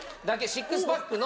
シックスパックの。